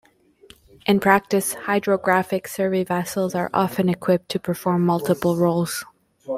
In practice, hydrographic survey vessels are often equipped to perform multiple roles.